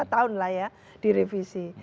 dua tahun lah ya direvisi